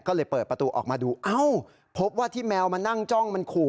ก็เลยเปิดประตูออกมาดูเอ้าพบว่าที่แมวมานั่งจ้องมันขู่